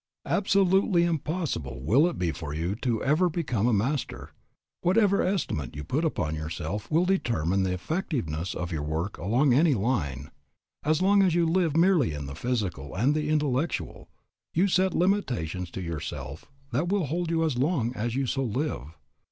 Absolutely impossible will it be for you ever to become a master. Whatever estimate you put upon yourself will determine the effectiveness of your work along any line. As long as you live merely in the physical and the intellectual, you set limitations to yourself that will hold you as long as you so live.